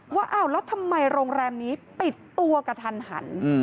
ว่าทำไมโรงแรมนี้ปิดตัวกระทันหัน